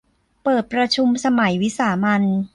เปิดประชุมสมัยวิสามัญ